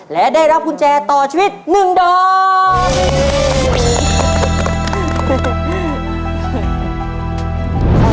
และได้รับกุญแจต่อชีวิต๑ดอก